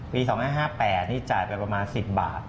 ปี๒๕๕๘นี่จ่ายไปประมาณ๑๐บาท